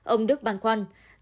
ông đức bàn khoăn